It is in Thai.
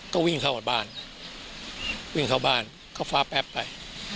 ก็วิ่งเข้าบ้านเขาฟ้าแป๊บไป